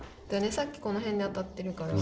さっきこの辺で当たってるから。